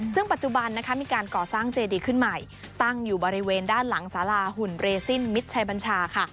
ซึ่งปัจจุบันนะคะมีการก่อสร้างเจดีขึ้นใหม่ตั้งอยู่บริเวณด้านหลังสาราหุ่นเรซินมิตรชัยบัญชาค่ะ